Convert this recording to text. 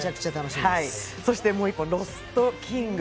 もう１本、「ロスト・キング」